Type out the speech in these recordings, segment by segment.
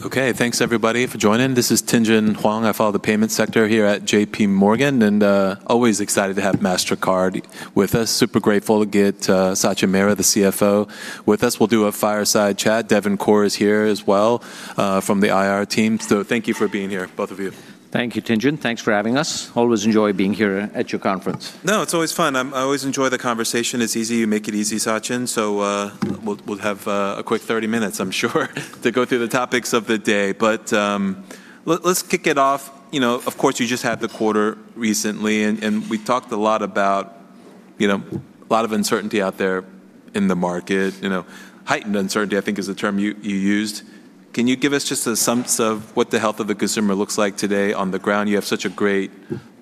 Thanks everybody for joining. This is Tien-tsin Huang. I follow the payment sector here at J.P. Morgan, and always excited to have Mastercard with us. Super grateful to get Sachin Mehra, the CFO, with us. We'll do a fireside chat. Devin Corr is here as well, from the IR team. Thank you for being here, both of you. Thank you, Tien-tsin. Thanks for having us. Always enjoy being here at your conference. No, it's always fun. I always enjoy the conversation. It's easy. You make it easy, Sachin. We'll have a quick 30 minutes I'm sure to go through the topics of the day. Let's kick it off. You know, of course, you just had the quarter recently, and we talked a lot about, you know, a lot of uncertainty out there in the market. You know, heightened uncertainty I think is the term you used. Can you give us just a sense of what the health of the consumer looks like today on the ground? You have such a great,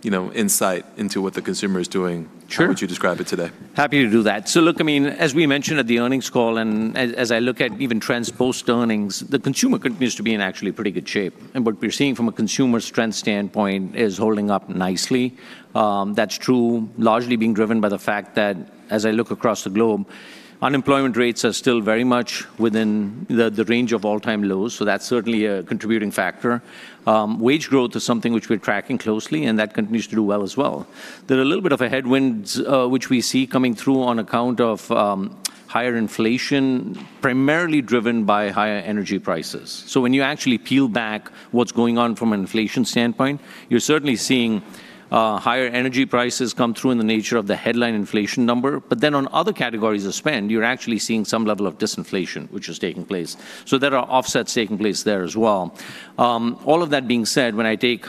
you know, insight into what the consumer is doing. Sure. How would you describe it today? Happy to do that. Look, I mean, as we mentioned at the earnings call and as I look at even trends post-earnings, the consumer continues to be in actually pretty good shape. What we're seeing from a consumer strength standpoint is holding up nicely. That's true largely being driven by the fact that as I look across the globe, unemployment rates are still very much within the range of all-time lows, that's certainly a contributing factor. Wage growth is something which we're tracking closely, that continues to do well as well. There are a little bit of a headwinds which we see coming through on account of higher inflation, primarily driven by higher energy prices. When you actually peel back what's going on from an inflation standpoint, you're certainly seeing higher energy prices come through in the nature of the headline inflation number. On other categories of spend, you're actually seeing some level of disinflation which is taking place. There are offsets taking place there as well. All of that being said, when I take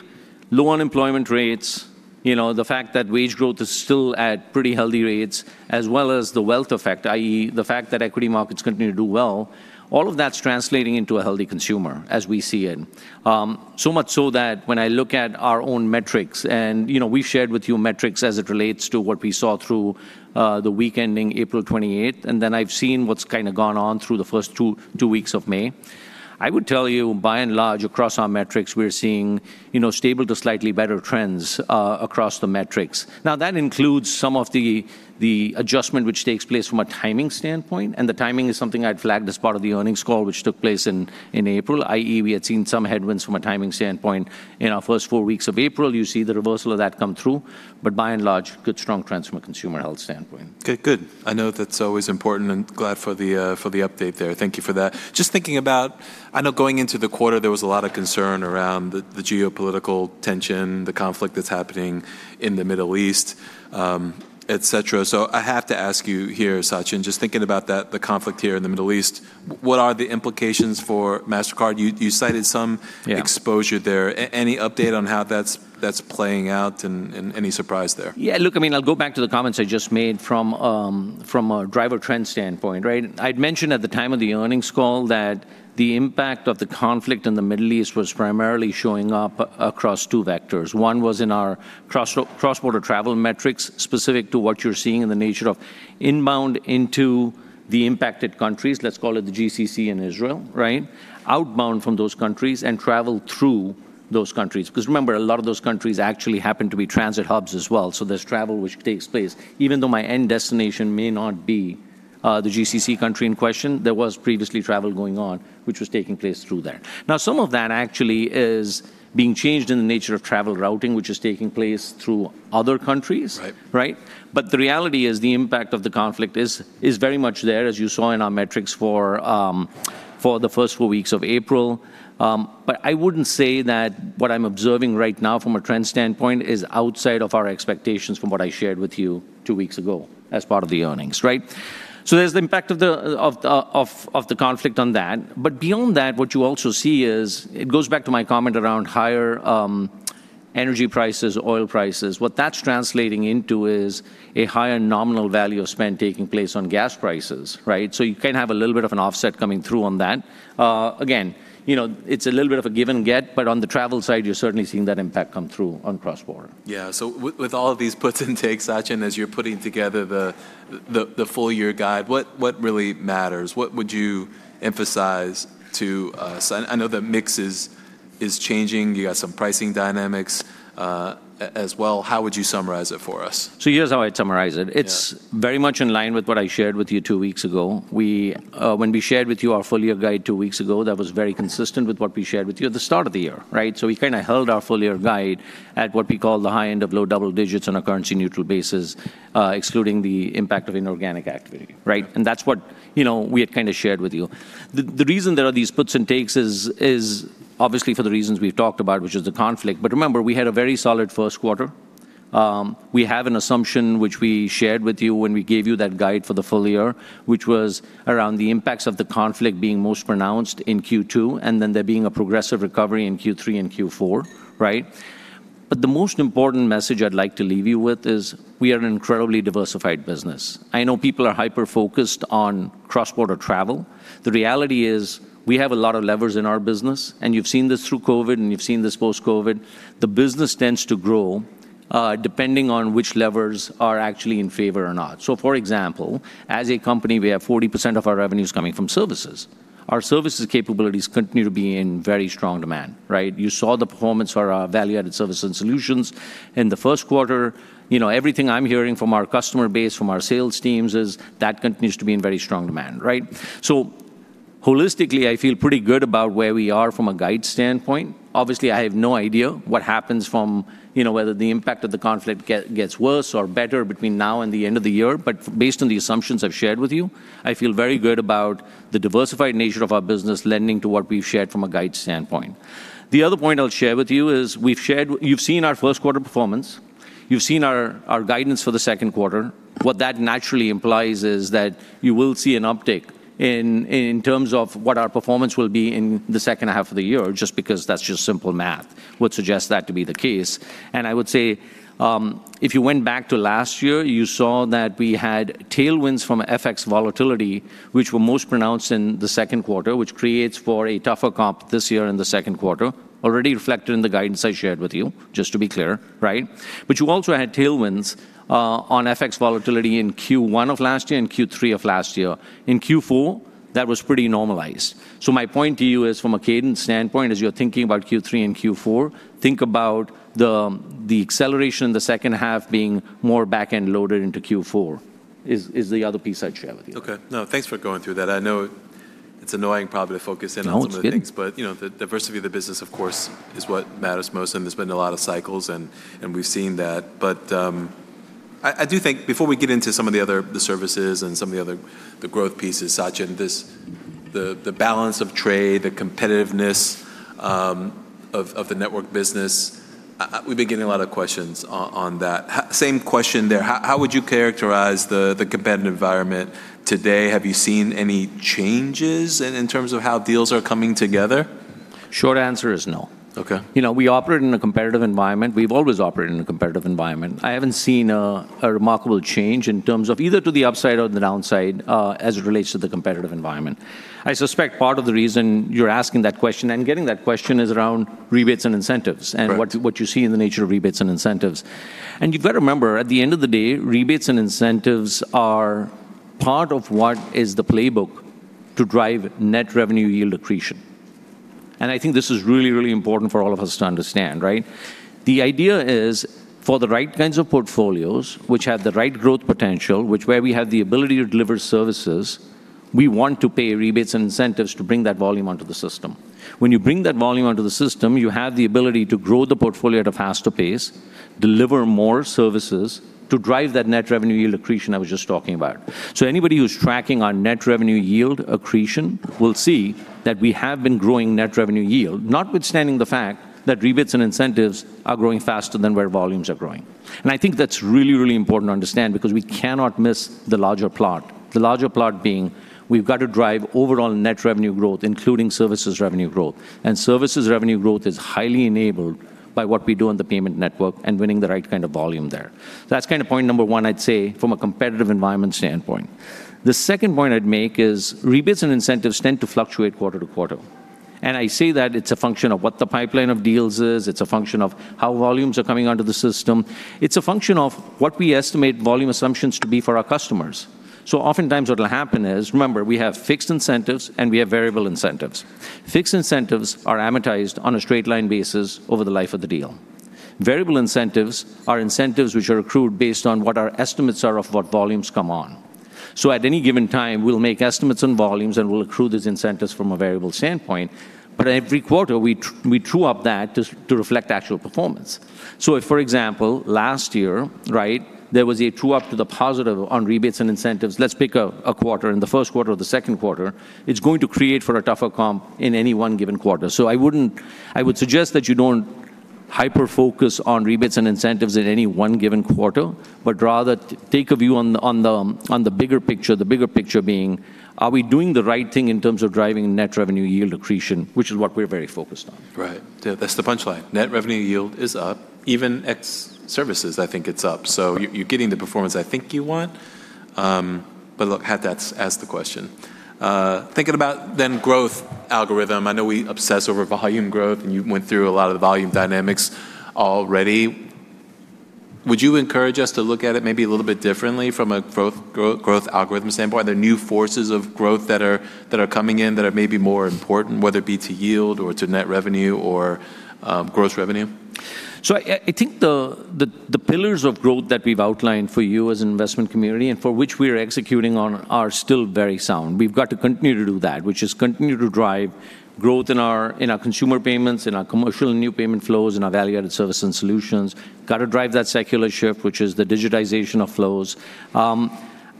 low unemployment rates, you know, the fact that wage growth is still at pretty healthy rates, as well as the wealth effect, i.e., the fact that equity markets continue to do well, all of that's translating into a healthy consumer as we see it. So much so that when I look at our own metrics, and, you know, we've shared with you metrics as it relates to what we saw through the week ending April 28th, and then I've seen what's kind of gone on through the first two weeks of May. I would tell you by and large across our metrics, we're seeing, you know, stable to slightly better trends across the metrics. Now, that includes some of the adjustment which takes place from a timing standpoint, and the timing is something I'd flagged as part of the earnings call which took place in April, i.e., we had seen some headwinds from a timing standpoint in our first four weeks of April. You see the reversal of that come through, by and large, good, strong trends from a consumer health standpoint. Okay, good. I know that's always important and glad for the update there. Thank you for that. Just thinking about, I know going into the quarter there was a lot of concern around the geopolitical tension, the conflict that's happening in the Middle East, et cetera. I have to ask you here, Sachin, just thinking about that, the conflict here in the Middle East, what are the implications for Mastercard? Yeah exposure there. Any update on how that's playing out and any surprise there? Yeah, look, I mean, I'll go back to the comments I just made from a driver trend standpoint, right? I'd mentioned at the time of the earnings call that the impact of the conflict in the Middle East was primarily showing up across two vectors. One was in our cross-border travel metrics specific to what you're seeing in the nature of inbound into the impacted countries, let's call it the GCC and Israel, right? Outbound from those countries and travel through those countries. 'Cause remember, a lot of those countries actually happen to be transit hubs as well, so there's travel which takes place. Even though my end destination may not be, the GCC country in question, there was previously travel going on which was taking place through there. Some of that actually is being changed in the nature of travel routing, which is taking place through other countries. Right. Right. The reality is the impact of the conflict is very much there, as you saw in our metrics for the first four weeks of April. I wouldn't say that what I'm observing right now from a trend standpoint is outside of our expectations from what I shared with you two weeks ago as part of the earnings. There's the impact of the conflict on that. Beyond that, what you also see is, it goes back to my comment around higher energy prices, oil prices. What that's translating into is a higher nominal value of spend taking place on gas prices. You can have a little bit of an offset coming through on that. Again, you know, it's a little bit of a give and get, but on the travel side, you're certainly seeing that impact come through on cross-border. Yeah, with all of these puts and takes, Sachin, as you're putting together the full year guide, what really matters? What would you emphasize to us? I know the mix is changing. You got some pricing dynamics as well. How would you summarize it for us? Here's how I'd summarize it. Yeah. It's very much in line with what I shared with you two weeks ago. We, when we shared with you our full-year guide two weeks ago, that was very consistent with what we shared with you at the start of the year, right? We kind of held our full-year guide at what we call the high end of low double digits on a currency-neutral basis, excluding the impact of inorganic activity, right? Yeah. That's what, you know, we had kind of shared with you. The reason there are these puts and takes is obviously for the reasons we've talked about, which is the conflict. Remember, we had a very solid Q1. We have an assumption which we shared with you when we gave you that guide for the full year, which was around the impacts of the conflict being most pronounced in Q2, and then there being a progressive recovery in Q3 and Q4, right? The most important message I'd like to leave you with is we are an incredibly diversified business. I know people are hyper-focused on cross-border travel. The reality is we have a lot of levers in our business, and you've seen this through COVID, and you've seen this post-COVID. The business tends to grow, depending on which levers are actually in favor or not. For example, as a company, we have 40% of our revenues coming from services. Our services capabilities continue to be in very strong demand, right? You saw the performance for our value-added services and solutions in the Q1. You know, everything I'm hearing from our customer base, from our sales teams is that continues to be in very strong demand, right? Holistically, I feel pretty good about where we are from a guide standpoint. Obviously, I have no idea what happens from, you know, whether the impact of the conflict gets worse or better between now and the end of the year. Based on the assumptions I've shared with you, I feel very good about the diversified nature of our business lending to what we've shared from a guide standpoint. The other point I'll share with you is we've shared you've seen our Q1 performance. You've seen our guidance for the Q2. What that naturally implies is that you will see an uptick in terms of what our performance will be in the second half of the year, just because that's just simple math would suggest that to be the case. I would say, if you went back to last year, you saw that we had tailwinds from FX volatility, which were most pronounced in the Q2, which creates for a tougher comp this year in the Q2, already reflected in the guidance I shared with you, just to be clear, right? You also had tailwinds on FX volatility in Q1 of last year and Q3 of last year. In Q4, that was pretty normalized. My point to you is from a cadence standpoint, as you're thinking about Q3 and Q4, think about the acceleration in the second half being more back-end loaded into Q4 is the other piece I'd share with you. Okay. No, thanks for going through that. I know it's annoying probably to focus in on. No, it's good. some of the things, you know, the diversity of the business, of course, is what matters most, and there's been a lot of cycles and we've seen that. I do think before we get into some of the other, the services and some of the other, the growth pieces, Sachin, this, the balance of trade, the competitiveness of the network business, we've been getting a lot of questions on that. Same question there. How would you characterize the competitive environment today? Have you seen any changes in terms of how deals are coming together? Short answer is no. Okay. You know, we operate in a competitive environment. We've always operated in a competitive environment. I haven't seen a remarkable change in terms of either to the upside or the downside, as it relates to the competitive environment. I suspect part of the reason you're asking that question and getting that question is around rebates and incentives. Right What you see in the nature of rebates and incentives. You've got to remember, at the end of the day, rebates and incentives are part of what is the playbook to drive net revenue yield accretion. I think this is really, really important for all of us to understand, right? The idea is for the right kinds of portfolios, which have the right growth potential, where we have the ability to deliver services, we want to pay rebates and incentives to bring that volume onto the system. When you bring that volume onto the system, you have the ability to grow the portfolio at a faster pace, deliver more services to drive that net revenue yield accretion I was just talking about. Anybody who's tracking our net revenue yield accretion will see that we have been growing net revenue yield, notwithstanding the fact that rebates and incentives are growing faster than where volumes are growing. I think that's really, really important to understand because we cannot miss the larger plot. The larger plot being we've got to drive overall net revenue growth, including services revenue growth. Services revenue growth is highly enabled by what we do on the payment network and winning the right kind of volume there. That's kind of point number one, I'd say, from a competitive environment standpoint. The second point I'd make is rebates and incentives tend to fluctuate quarter to quarter. I say that it's a function of what the pipeline of deals is. It's a function of how volumes are coming onto the system. It's a function of what we estimate volume assumptions to be for our customers. Oftentimes what'll happen is, remember, we have fixed incentives and we have variable incentives. Fixed incentives are amortized on a straight line basis over the life of the deal. Variable incentives are incentives which are accrued based on what our estimates are of what volumes come on. At any given time, we'll make estimates on volumes, and we'll accrue those incentives from a variable standpoint. But every quarter, we true up that to reflect actual performance. If, for example, last year, right, there was a true-up to the positive on rebates and incentives, let's pick a quarter, in the Q1 or the Q2, it's going to create for a tougher comp in any 1 given quarter. I would suggest that you don't hyper-focus on rebates and incentives in any one given quarter, but rather take a view on the bigger picture. The bigger picture being, are we doing the right thing in terms of driving net revenue yield accretion, which is what we're very focused on. Right. That's the punchline. Net revenue yield is up. Even ex services, I think it's up. You're getting the performance I think you want. Look, had to ask the question. Thinking about growth algorithm, I know we obsess over volume growth, you went through a lot of the volume dynamics already. Would you encourage us to look at it maybe a little bit differently from a growth algorithm standpoint? Are there new forces of growth that are coming in that are maybe more important, whether it be to yield or to net revenue or gross revenue? I think the pillars of growth that we've outlined for you as an investment community and for which we are executing on are still very sound. We've got to continue to do that, which is continue to drive growth in our consumer payments, in our commercial new payment flows, in our value-added service and solutions. Got to drive that secular shift, which is the digitization of flows.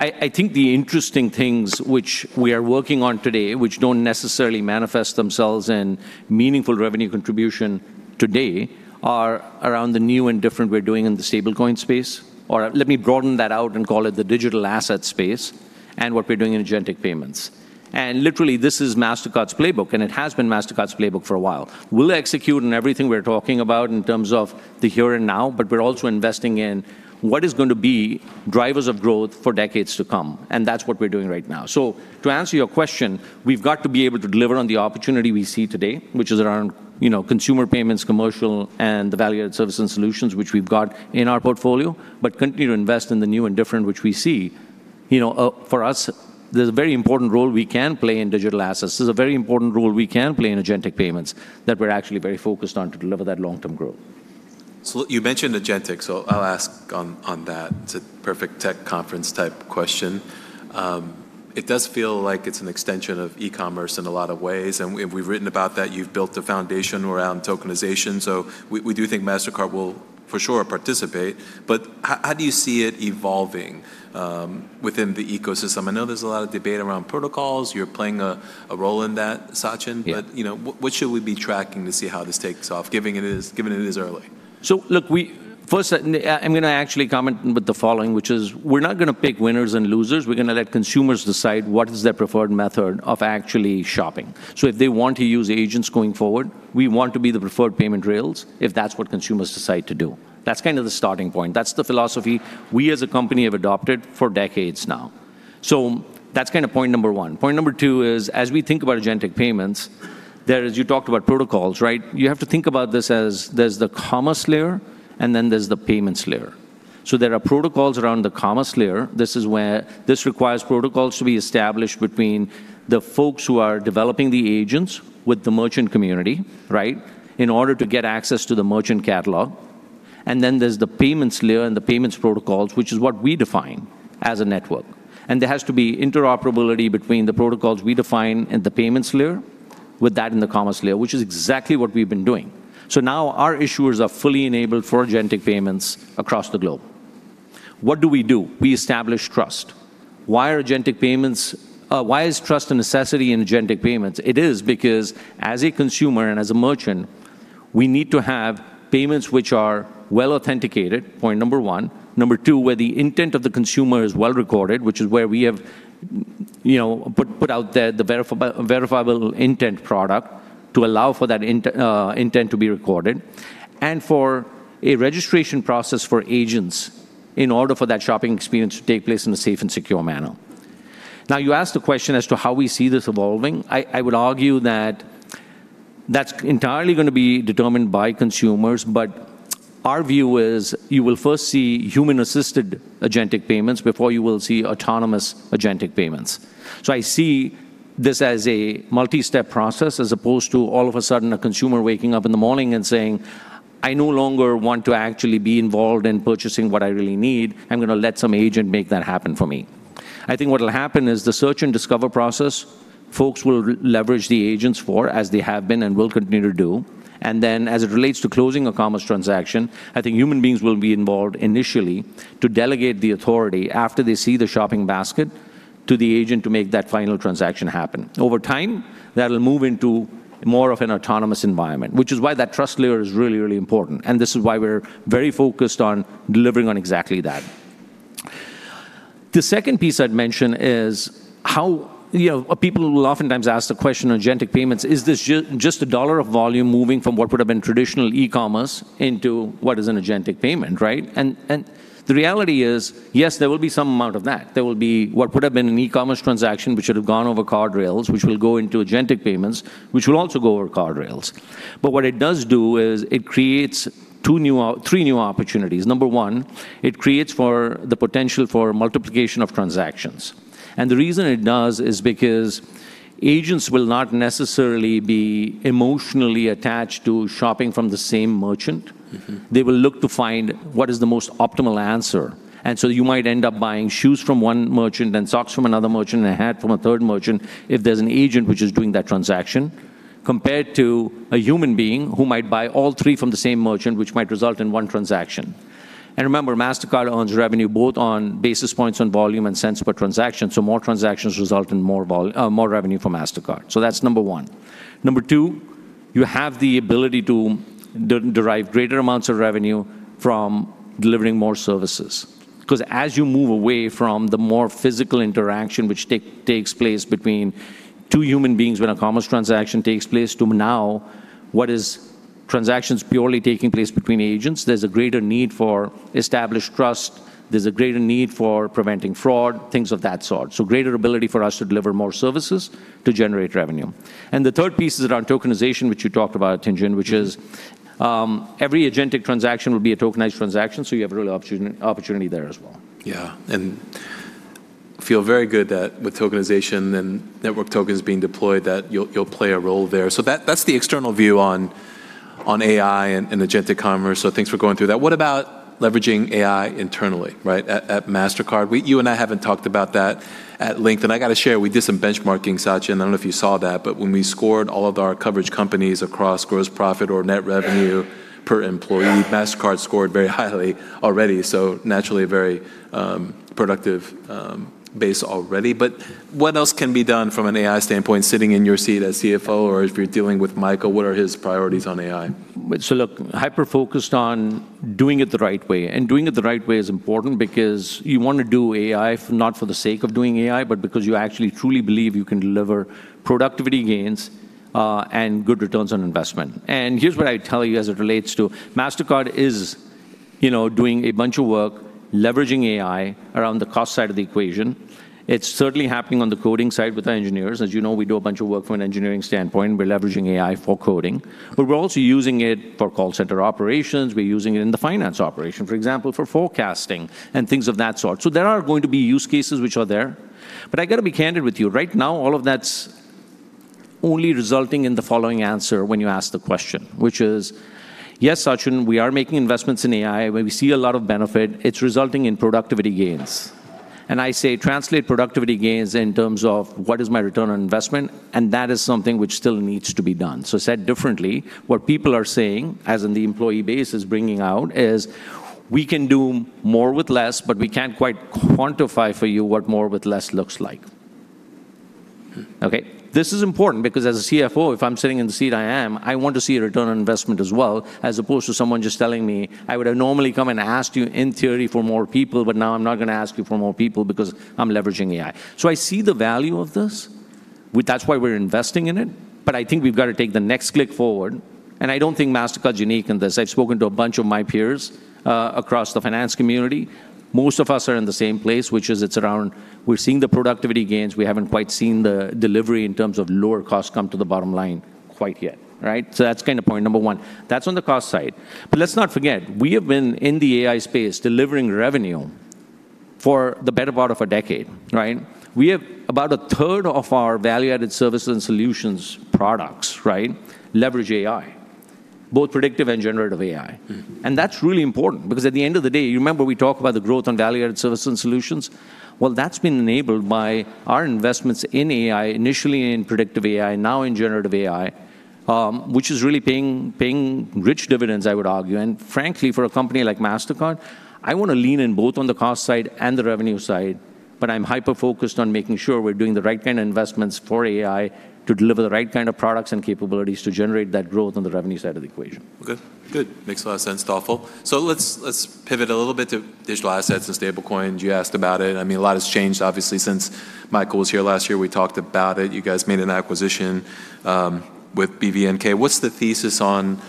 I think the interesting things which we are working on today, which don't necessarily manifest themselves in meaningful revenue contribution today, are around the new and different we're doing in the stablecoin space. Let me broaden that out and call it the digital asset space and what we're doing in agentic payments. Literally, this is Mastercard's playbook, and it has been Mastercard's playbook for a while. We'll execute on everything we're talking about in terms of the here and now, but we're also investing in what is going to be drivers of growth for decades to come, and that's what we're doing right now. To answer your question, we've got to be able to deliver on the opportunity we see today, which is around, you know, consumer payments, commercial, and the value-added service and solutions which we've got in our portfolio, but continue to invest in the new and different which we see. You know, for us, there's a very important role we can play in digital assets. There's a very important role we can play in agentic payments that we're actually very focused on to deliver that long-term growth. You mentioned agentic, so I'll ask on that. It's a perfect tech conference type question. It does feel like it's an extension of e-commerce in a lot of ways, and we've written about that. You've built a foundation around tokenization, we do think Mastercard will for sure participate. How do you see it evolving within the ecosystem? I know there's a lot of debate around protocols. You're playing a role in that, Sachin. Yeah. you know, what should we be tracking to see how this takes off, giving it is early? Look, I'm going to actually comment with the following, which is we're not going to pick winners and losers. We're going to let consumers decide what is their preferred method of actually shopping. If they want to use agents going forward, we want to be the preferred payment rails if that's what consumers decide to do. That's kind of the starting point. That's the philosophy we as a company have adopted for decades now. That's kind of point number one. Point number two is, as we think about agentic payments, You talked about protocols, right? You have to think about this as there's the commerce layer and then there's the payments layer. There are protocols around the commerce layer. This is where this requires protocols to be established between the folks who are developing the agents with the merchant community, right, in order to get access to the merchant catalog. Then there's the payments layer and the payments protocols, which is what we define as a network. There has to be interoperability between the protocols we define in the payments layer with that in the commerce layer, which is exactly what we've been doing. Now our issuers are fully enabled for agentic payments across the globe. What do we do? We establish trust. Why is trust a necessity in agentic payments? It is because as a consumer and as a merchant, we need to have payments which are well authenticated, point number one. Number two, where the intent of the consumer is well recorded, which is where we have, you know, put out there the Verifiable Intent product to allow for that intent to be recorded, and for a registration process for agents in order for that shopping experience to take place in a safe and secure manner. You asked the question as to how we see this evolving. I would argue that that's entirely gonna be determined by consumers. Our view is you will first see human-assisted agentic payments before you will see autonomous agentic payments. I see this as a multi-step process as opposed to all of a sudden a consumer waking up in the morning and saying, "I no longer want to actually be involved in purchasing what I really need. I'm gonna let some agent make that happen for me. I think what'll happen is the search and discover process, folks will leverage the agents for, as they have been and will continue to do. As it relates to closing a commerce transaction, I think human beings will be involved initially to delegate the authority after they see the shopping basket to the agent to make that final transaction happen. Over time, that'll move into more of an autonomous environment, which is why that trust layer is really, really important. This is why we're very focused on delivering on exactly that. The second piece I'd mention is how, you know, people will oftentimes ask the question on agentic payments, is this just $1 of volume moving from what would have been traditional e-commerce into what is an agentic payment, right? The reality is, yes, there will be some amount of that. There will be what would have been an e-commerce transaction, which should have gone over card rails, which will go into agentic payments, which will also go over card rails. What it does do is it creates three new opportunities. Number 1, it creates for the potential for multiplication of transactions. The reason it does is because agents will not necessarily be emotionally attached to shopping from the same merchant. They will look to find what is the most optimal answer. You might end up buying shoes from one merchant and socks from another merchant and a hat from a third merchant if there's an agent which is doing that transaction, compared to a human being who might buy all three from the same merchant, which might result in one transaction. Remember, Mastercard earns revenue both on basis points on volume and cents per transaction, so more transactions result in more revenue for Mastercard. That's number one. Number two, you have the ability to de-derive greater amounts of revenue from delivering more services. Because as you move away from the more physical interaction which takes place between two human beings when a commerce transaction takes place to now, what is transactions purely taking place between agents, there's a greater need for established trust, there's a greater need for preventing fraud, things of that sort. Greater ability for us to deliver more services to generate revenue. The third piece is around tokenization, which you talked about, Tien-tsin Huang. which is, every agentic transaction will be a tokenized transaction, so you have a real opportunity there as well. Yeah. Feel very good that with tokenization and network tokens being deployed, that you'll play a role there. That's the external view on AI and agentic commerce. Thanks for going through that. What about leveraging AI internally, right, at Mastercard? You and I haven't talked about that at length, and I gotta share, we did some benchmarking, Sachin. I don't know if you saw that, but when we scored all of our coverage companies across gross profit or net revenue per employee, Mastercard scored very highly already, so naturally a very productive base already. What else can be done from an AI standpoint, sitting in your seat as CFO? If you're dealing with Michael, what are his priorities on AI? Look, hyper-focused on doing it the right way, and doing it the right way is important because you wanna do AI not for the sake of doing AI, but because you actually truly believe you can deliver productivity gains and good returns on investment. Here's what I tell you as it relates to Mastercard is, you know, doing a bunch of work leveraging AI around the cost side of the equation. It's certainly happening on the coding side with the engineers. As you know, we do a bunch of work from an engineering standpoint. We're leveraging AI for coding. We're also using it for call center operations. We're using it in the finance operation, for example, for forecasting and things of that sort. There are going to be use cases which are there. I gotta be candid with you. Right now, all of that's only resulting in the following answer when you ask the question, which is, "Yes, Sachin, we are making investments in AI where we see a lot of benefit. It's resulting in productivity gains." I say, "Translate productivity gains in terms of what is my return on investment," and that is something which still needs to be done. Said differently, what people are saying, as in the employee base is bringing out, is, "We can do more with less, but we can't quite quantify for you what more with less looks like. Okay? This is important because as a CFO, if I'm sitting in the seat I am, I want to see a return on investment as well, as opposed to someone just telling me, "I would have normally come and asked you in theory for more people, but now I'm not gonna ask you for more people because I'm leveraging AI." I see the value of this. That's why we're investing in it, but I think we've gotta take the next click forward, and I don't think Mastercard's unique in this. I've spoken to a bunch of my peers, across the finance community. Most of us are in the same place, which is it's around we're seeing the productivity gains. We haven't quite seen the delivery in terms of lower costs come to the bottom line quite yet, right? That's kind of point number one. That's on the cost side. Let's not forget, we have been in the AI space delivering revenue for the better part of a decade, right? We have about a third of our value-added service and solutions products, right, leverage AI, both predictive and generative AI. That's really important because at the end of the day, you remember we talked about the growth on value-added service and solutions? That's been enabled by our investments in AI, initially in predictive AI, now in generative AI, which is really paying rich dividends, I would argue. Frankly, for a company like Mastercard, I wanna lean in both on the cost side and the revenue side, but I'm hyper-focused on making sure we're doing the right kind of investments for AI to deliver the right kind of products and capabilities to generate that growth on the revenue side of the equation. Okay. Good. Makes a lot of sense. Thoughtful. Let's pivot a little bit to digital assets and stablecoins. You asked about it. I mean, a lot has changed, obviously, since Michael was here last year. We talked about it. You guys made an acquisition with BVNK. What's the thesis on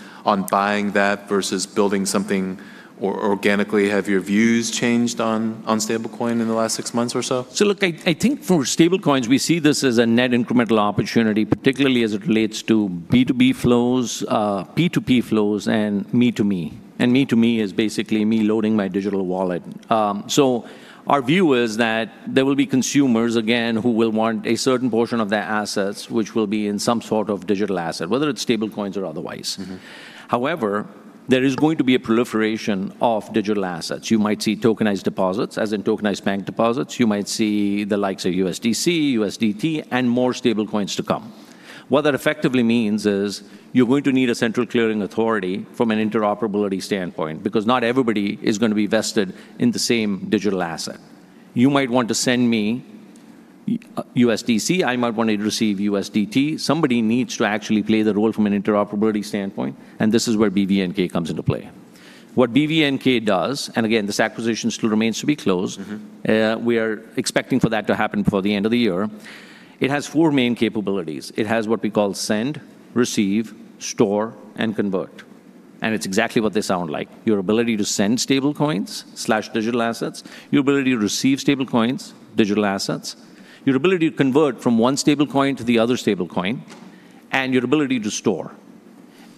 buying that versus building something or organically? Have your views changed on stablecoin in the last six months or so? Look, I think for stablecoins, we see this as a net incremental opportunity, particularly as it relates to B2B flows, P2P flows, and me to me. Me to me is basically me loading my digital wallet. Our view is that there will be consumers, again, who will want a certain portion of their assets, which will be in some sort of digital asset, whether it's stablecoins or otherwise. However, there is going to be a proliferation of digital assets. You might see tokenized deposits, as in tokenized bank deposits. You might see the likes of USDC, USDT, and more stablecoins to come. What that effectively means is you're going to need a central clearing authority from an interoperability standpoint, because not everybody is gonna be vested in the same digital asset. You might want to send me USDC. I might want to receive USDT. Somebody needs to actually play the role from an interoperability standpoint, and this is where BVNK comes into play. What BVNK does, and again, this acquisition still remains to be closed- we are expecting for that to happen before the end of the year. It has four main capabilities. It has what we call send, receive, store, and convert, and it's exactly what they sound like. Your ability to send stablecoins/digital assets, your ability to receive stablecoins, digital assets, your ability to convert from one stablecoin to the other stablecoin, and your ability to store.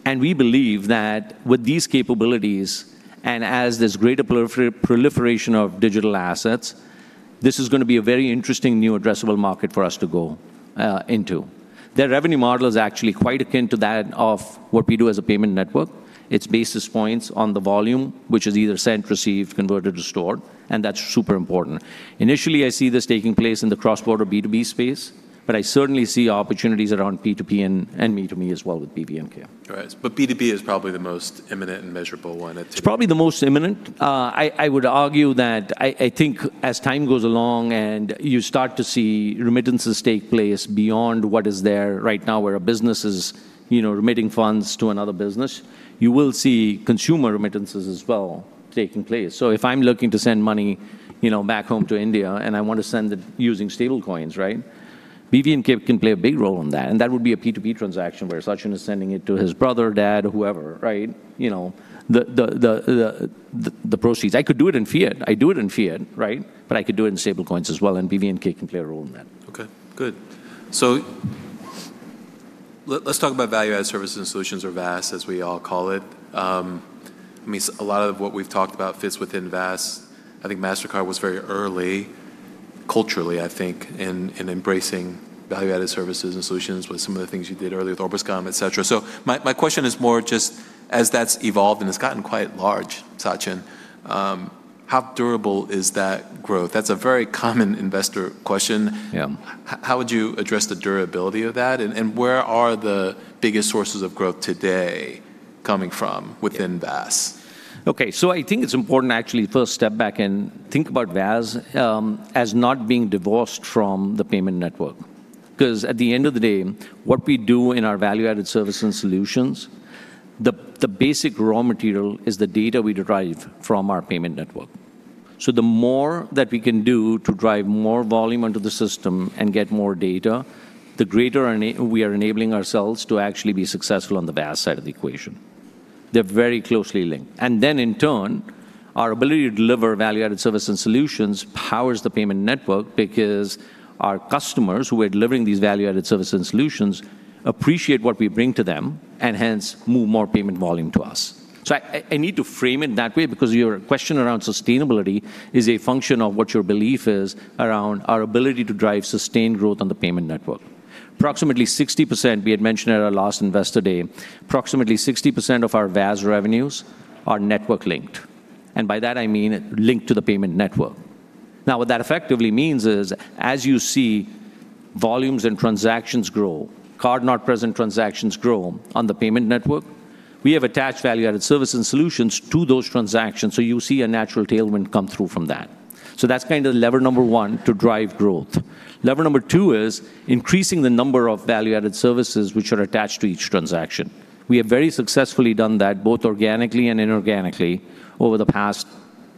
We believe that with these capabilities, as this greater proliferation of digital assets, this is gonna be a very interesting new addressable market for us to go into. Their revenue model is actually quite akin to that of what we do as a payment network. It's basis points on the volume, which is either sent, received, converted, or stored, and that's super important. Initially, I see this taking place in the cross-border B2B space, but I certainly see opportunities around P2P and me to me as well with BVNK. Right. B2B is probably the most imminent and measurable one. It's probably the most imminent. I would argue that I think as time goes along and you start to see remittances take place beyond what is there right now, where a business is, you know, remitting funds to another business, you will see consumer remittances as well taking place. If I'm looking to send money, you know, back home to India, and I want to send it using stablecoins, right, BVNK can play a big role in that, and that would be a P2P transaction where Sachin is sending it to his brother, dad, whoever, right? You know, the proceeds. I could do it in fiat. I do it in fiat, right? I could do it in stablecoins as well, and BVNK can play a role in that. Okay, good. Let's talk about Value-Added Services and Solutions, or VASS, as we all call it. I mean, a lot of what we've talked about fits within VASS. I think Mastercard was very early culturally, I think, in embracing Value-Added Services and Solutions with some of the things you did earlier with Orbiscom, et cetera. My question is more just as that's evolved, and it's gotten quite large, Sachin, how durable is that growth? That's a very common investor question. Yeah. How would you address the durability of that, and where are the biggest sources of growth today coming from within VASS? Okay, I think it's important actually first step back and think about VASS as not being divorced from the payment network. Because at the end of the day, what we do in our value-added service and solutions, the basic raw material is the data we derive from our payment network. The more that we can do to drive more volume onto the system and get more data, the greater we are enabling ourselves to actually be successful on the VASS side of the equation. They're very closely linked. In turn, our ability to deliver value-added service and solutions powers the payment network because our customers who are delivering these value-added service and solutions appreciate what we bring to them and hence move more payment volume to us. I need to frame it that way because your question around sustainability is a function of what your belief is around our ability to drive sustained growth on the payment network. Approximately 60%, we had mentioned at our last investor day, approximately 60% of our VAS revenues are network-linked. By that, I mean linked to the payment network. What that effectively means is, as you see volumes and transactions grow, card-not-present transactions grow on the payment network, we have attached value-added service and solutions to those transactions, you see a natural tailwind come through from that. That's kind of lever number 1 to drive growth. Lever number two is increasing the number of value-added services which are attached to each transaction. We have very successfully done that, both organically and inorganically, over the past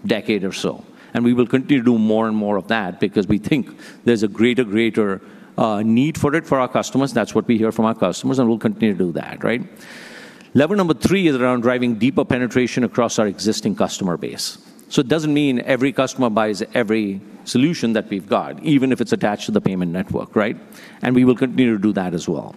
decade or so. We will continue to do more and more of that because we think there's a greater need for it for our customers. That's what we hear from our customers, and we'll continue to do that, right? Lever number three is around driving deeper penetration across our existing customer base. It doesn't mean every customer buys every solution that we've got, even if it's attached to the payment network, right? We will continue to do that as well.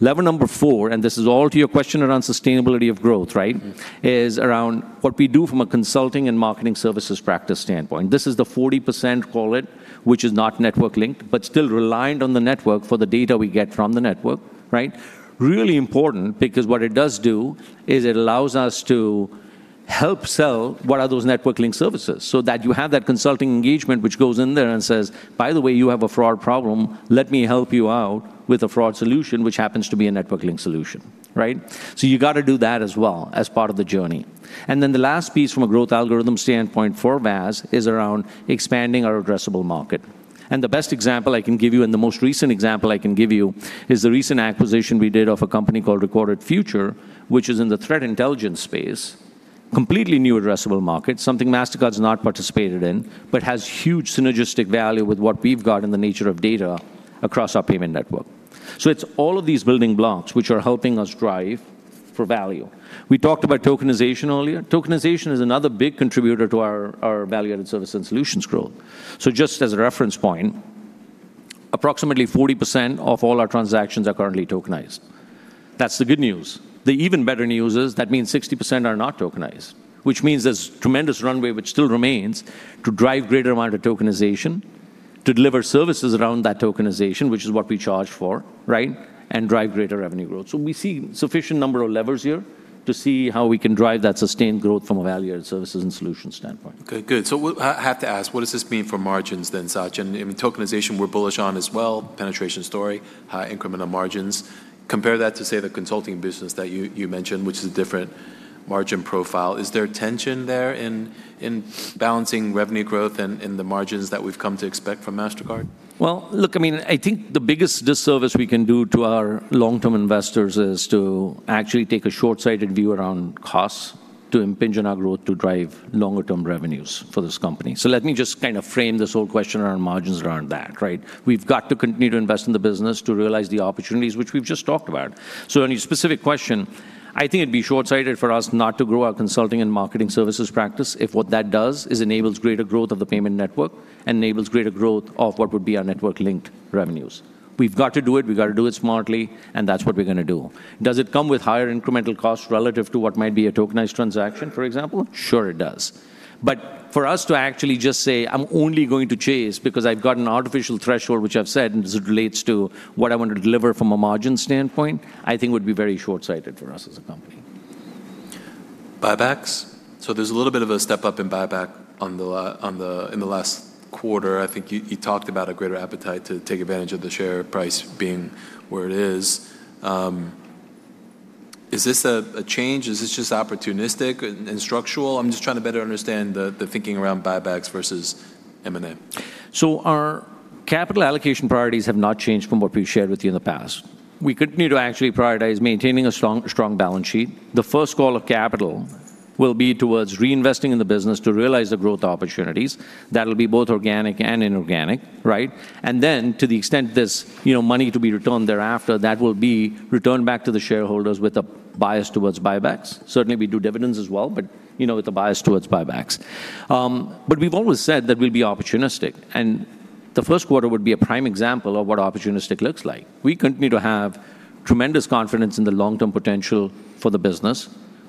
Lever number four, and this is all to your question around sustainability of growth, right? Is around what we do from a consulting and marketing services practice standpoint. This is the 40% call it, which is not network-linked, but still reliant on the network for the data we get from the network, right? Really important because what it does do is it allows us to help sell what are those network-linked services, so that you have that consulting engagement which goes in there and says, "By the way, you have a fraud problem. Let me help you out with a fraud solution," which happens to be a network-linked solution, right? You gotta do that as well as part of the journey. The last piece from a growth algorithm standpoint for VAS is around expanding our addressable market. The best example I can give you, and the most recent example I can give you, is the recent acquisition we did of a company called Recorded Future, which is in the threat intelligence space. Completely new addressable market, something Mastercard's not participated in, but has huge synergistic value with what we've got and the nature of data across our payment network. It's all of these building blocks which are helping us drive for value. We talked about tokenization earlier. Tokenization is another big contributor to our value-added service and solutions growth. Just as a reference point, approximately 40% of all our transactions are currently tokenized. That's the good news. The even better news is that means 60% are not tokenized, which means there's tremendous runway which still remains to drive greater amount of tokenization, to deliver services around that tokenization, which is what we charge for, right? Drive greater revenue growth. We see sufficient number of levers here to see how we can drive that sustained growth from a value-added services and solutions standpoint. Okay, good. I have to ask, what does this mean for margins then, Sachin? I mean, tokenization we're bullish on as well, penetration story, high incremental margins. Compare that to, say, the consulting business that you mentioned, which is a different margin profile. Is there tension there in balancing revenue growth and the margins that we've come to expect from Mastercard? Well, look, I mean, I think the biggest disservice we can do to our long-term investors is to actually take a short-sighted view around costs to impinge on our growth to drive longer-term revenues for this company. Let me just kind of frame this whole question around margins around that, right? We've got to continue to invest in the business to realize the opportunities which we've just talked about. On your specific question, I think it'd be short-sighted for us not to grow our consulting and marketing services practice if what that does is enables greater growth of the payment network and enables greater growth of what would be our network-linked revenues. We've got to do it, we've got to do it smartly, and that's what we're gonna do. Does it come with higher incremental costs relative to what might be a tokenized transaction, for example? Sure it does. For us to actually just say, "I'm only going to chase because I've got an artificial threshold which I've set, and as it relates to what I want to deliver from a margin standpoint," I think would be very short-sighted for us as a company. Buybacks? There's a little bit of a step up in buyback in the last quarter. I think you talked about a greater appetite to take advantage of the share price being where it is. Is this a change? Is this just opportunistic and structural? I'm just trying to better understand the thinking around buybacks versus M&A. Our capital allocation priorities have not changed from what we've shared with you in the past. We continue to actually prioritize maintaining a strong balance sheet. The first call of capital will be towards reinvesting in the business to realize the growth opportunities. That'll be both organic and inorganic, right? Then to the extent there's, you know, money to be returned thereafter, that will be returned back to the shareholders with a bias towards buybacks. Certainly, we do dividends as well, but, you know, with a bias towards buybacks. We've always said that we'll be opportunistic, and the Q1 would be a prime example of what opportunistic looks like. We continue to have tremendous confidence in the long-term potential for the business.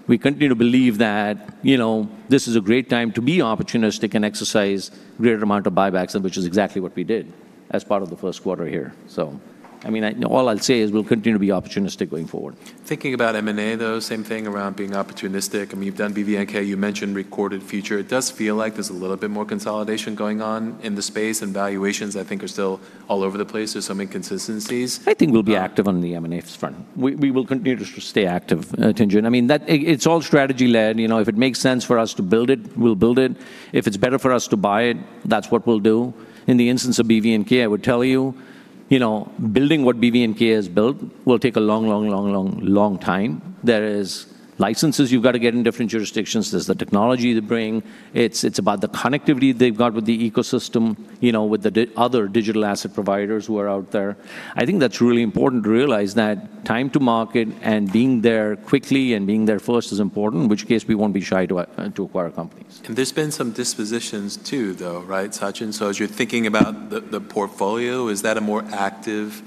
We continue to believe that, you know, this is a great time to be opportunistic and exercise greater amount of buybacks, and which is exactly what we did as part of the Q1 here. I mean, all I'll say is we'll continue to be opportunistic going forward. Thinking about M&A though, same thing around being opportunistic. I mean, you've done BVNK, you mentioned Recorded Future. It does feel like there's a little bit more consolidation going on in the space, and valuations I think are still all over the place. There's some inconsistencies. I think we'll be active on the M&As front. We will continue to stay active, Tien-tsin. I mean, it's all strategy-led. You know, if it makes sense for us to build it, we'll build it. If it's better for us to buy it, that's what we'll do. In the instance of BVNK, I would tell you know, building what BVNK has built will take a long, long, long, long, long time. There is licenses you've got to get in different jurisdictions. There's the technology to bring. It's about the connectivity they've got with the ecosystem, you know, with the other digital asset providers who are out there. I think that's really important to realize that time to market and being there quickly and being there first is important, in which case we won't be shy to acquire companies. There's been some dispositions too, though, right, Sachin? As you're thinking about the portfolio, is that a more active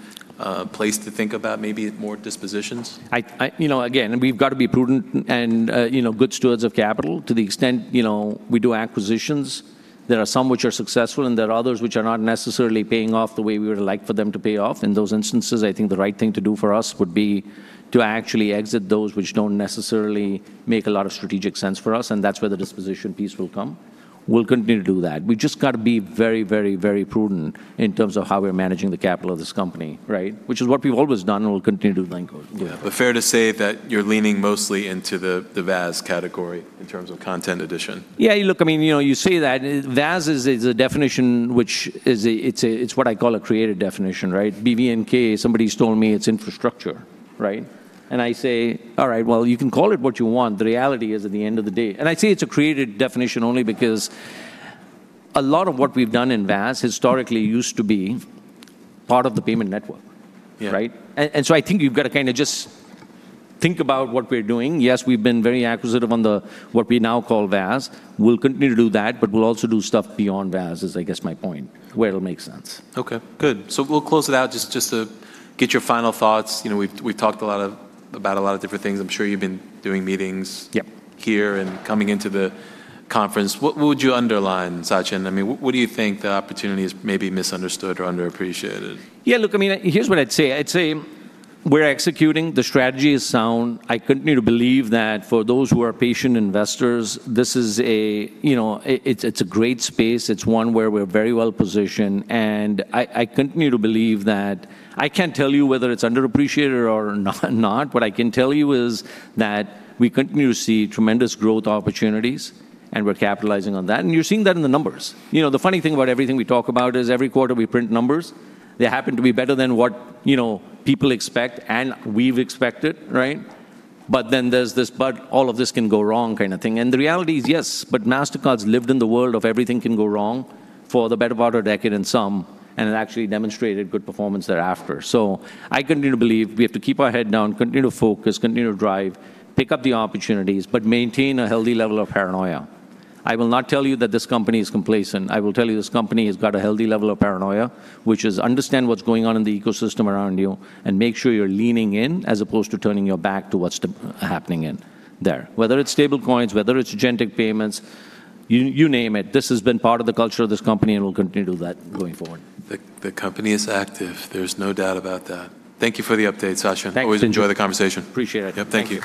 place to think about maybe more dispositions? I, you know, again, we've got to be prudent and, you know, good stewards of capital. To the extent, you know, we do acquisitions. There are some which are successful and there are others which are not necessarily paying off the way we would like for them to pay off. In those instances, I think the right thing to do for us would be to actually exit those which don't necessarily make a lot of strategic sense for us, and that's where the disposition piece will come. We'll continue to do that. We've just got to be very prudent in terms of how we're managing the capital of this company, right? Which is what we've always done and we'll continue to do going forward. Yeah. Fair to say that you're leaning mostly into the VAS category in terms of content addition. Yeah, look, I mean, you know, you say that. VAS is a definition which is what I call a created definition, right? BVNK, somebody's told me it's infrastructure, right? I say, "All right, well, you can call it what you want. The reality is at the end of the day" I say it's a created definition only because a lot of what we've done in VAS historically used to be part of the payment network. Yeah. Right? I think you've got to kind of just think about what we're doing. Yes, we've been very acquisitive on the, what we now call VAS. We'll continue to do that, but we'll also do stuff beyond VAS is I guess my point, where it'll make sense. Okay, good. We'll close it out just to get your final thoughts. You know, we've talked about a lot of different things. I'm sure you've been doing meetings. Yep here and coming into the conference. What would you underline, Sachin? I mean, what do you think the opportunity is maybe misunderstood or underappreciated? Look, I mean, here's what I'd say. I'd say we're executing, the strategy is sound. I continue to believe that for those who are patient investors, this is a, you know, it's a great space. It's one where we're very well positioned, and I continue to believe that. I can't tell you whether it's underappreciated or not. What I can tell you is that we continue to see tremendous growth opportunities, and we're capitalizing on that, and you're seeing that in the numbers. You know, the funny thing about everything we talk about is every quarter we print numbers. They happen to be better than what, you know, people expect and we've expected, right? Then there's this, 'But all of this can go wrong.' kind of thing. The reality is yes, but Mastercard's lived in the world of everything can go wrong for the better part of a decade and some, and it actually demonstrated good performance thereafter. I continue to believe we have to keep our head down, continue to focus, continue to drive, pick up the opportunities, but maintain a healthy level of paranoia. I will not tell you that this company is complacent. I will tell you this company has got a healthy level of paranoia, which is understand what's going on in the ecosystem around you and make sure you're leaning in as opposed to turning your back to what's happening in there. Whether it's stablecoins, whether it's agentic payments, you name it. This has been part of the culture of this company, and we'll continue to do that going forward. The company is active. There's no doubt about that. Thank you for the update, Sachin. Thanks. Always enjoy the conversation. Appreciate it. Yep, thank you.